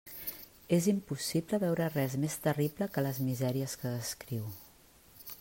És impossible veure res més terrible que les misèries que descriu.